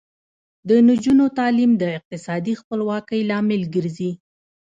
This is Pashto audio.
د نجونو تعلیم د اقتصادي خپلواکۍ لامل ګرځي.